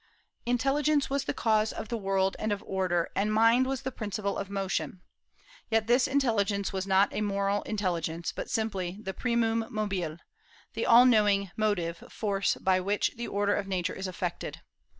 Intelligence was the cause of the world and of order, and mind was the principle of motion; yet this intelligence was not a moral intelligence, but simply the primum mobile, the all knowing motive force by which the order of Nature is effected.